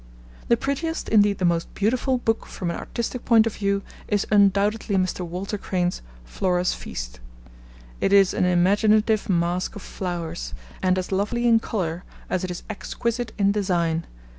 The prettiest, indeed the most beautiful, book from an artistic point of view is undoubtedly Mr. Walter Crane's Flora's Feast. It is an imaginative Masque of Flowers, and as lovely in colour as it is exquisite in design.